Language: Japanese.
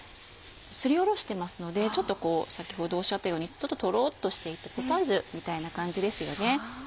すりおろしてますので先ほどおっしゃったようにちょっとトロっとしていてポタージュみたいな感じですよね。